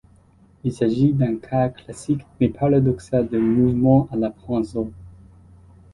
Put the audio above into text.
Il s'agit d'un cas classique mais paradoxal de mouvement à la Poinsot.